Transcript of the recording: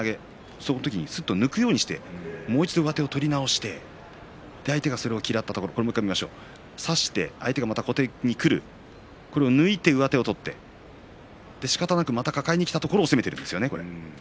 その時にすっと抜くようにしてもう一度上手を取り直して相手がそれを嫌ったところ差して、相手がまた小手にくるこれを抜いて上手を取ってしかたなくまた抱えにきたところを攻めているんですね。